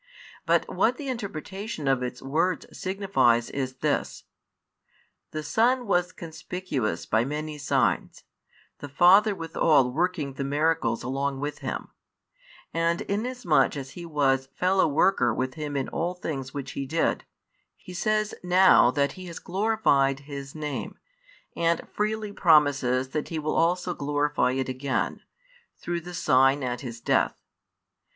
But what the interpretation of its words signifies is this: The Son was conspicuous by many signs, the Father withal working the miracles along with Him; and inasmuch as He was Fellow worker with Him in all things which He did, He says now that He has glorified [His Name,] and freely promises that He will also glorify it again, through the sign at His Death.